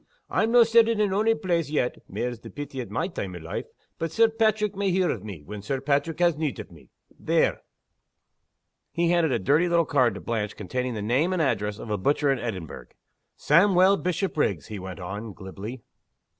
I'm no' settled in ony place yet (mair's the pity at my time o' life!), but Sir Paitrick may hear o' me, when Sir Paitrick has need o' me, there." He handed a dirty little card to Blanche containing the name and address of a butcher in Edinburgh. "Sawmuel Bishopriggs," he went on, glibly.